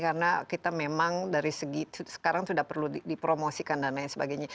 karena kita memang dari segi sekarang sudah perlu dipromosikan dan lain sebagainya